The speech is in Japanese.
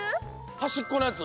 はしっこのやつ？